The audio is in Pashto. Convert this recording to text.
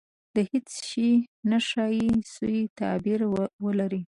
• هېڅ شی نه ښایي، سوء تعبیر ولري.